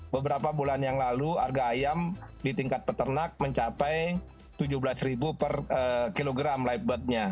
beberapa bulan yang lalu harga ayam di tingkat peternak mencapai rp tujuh belas per kilogram live budnya